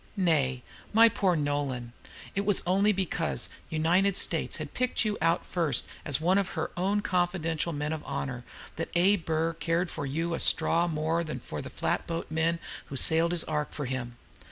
Nay, my poor Nolan, it was only because "United States" had picked you out first as one of her own confidential men of honor that "A. Burr" cared for you a straw more than for the flat boat men who sailed his ark for him.